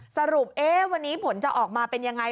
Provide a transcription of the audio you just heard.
สรุปวันนี้ผลจะออกมาเป็นยังไง